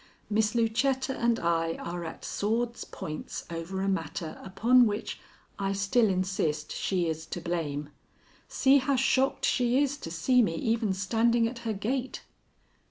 Miss Lucetta and I are at swords' points over a matter upon which I still insist she is to blame. See how shocked she is to see me even standing at her gate."